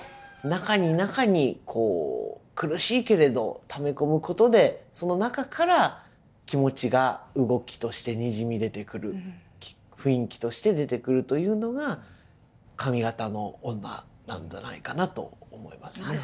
中に中にこう苦しいけれどため込むことでその中から気持ちが動きとしてにじみ出てくる雰囲気として出てくるというのが上方の女なんじゃないかなと思いますね。